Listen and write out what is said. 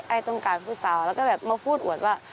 ต้องการผู้สาวแล้วก็แบบมาพูดอวดว่า